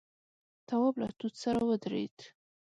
تواب له توت سره ودرېد.